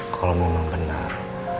kalau memang benar